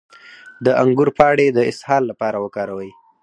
د انګور پاڼې د اسهال لپاره وکاروئ